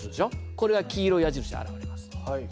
これは黄色い矢印で表れます。